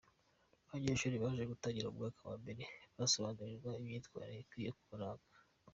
Abanyeshuri baje gutangira mu mwaka wa mbere basobanurirwa imyitwarire ikwiye kubaranga